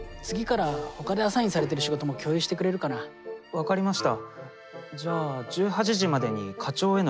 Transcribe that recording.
分かりました。